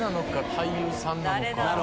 俳優さんなのか。